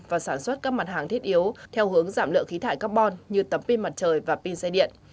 và sản xuất các mặt hàng thiết yếu theo hướng giảm lượng khí thải carbon như tấm pin mặt trời và pin xe điện